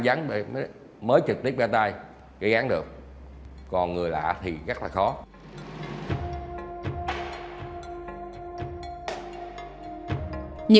vắng để mới trực tiếp ra tay ký án được còn người lạ thì rất là khó à